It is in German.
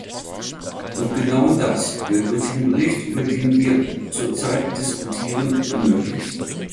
Und genau das wird durch den Bericht, über den wir zurzeit diskutieren, ermöglicht.